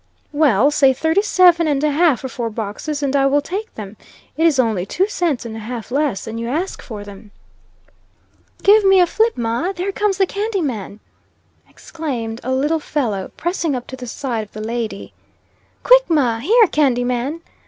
"Well, say thirty seven and a half for four boxes, and I will take them. It is only two cents and a half less than you ask for them." "Give me a fip, ma! there comes the candy man!" exclaimed a little fellow, pressing up to the side of the lady. "Quick, ma! Here, candy man!"